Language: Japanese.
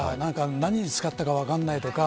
何に使ったか分からないとか。